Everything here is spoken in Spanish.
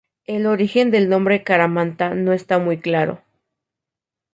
El origen del nombre Caramanta no está muy claro.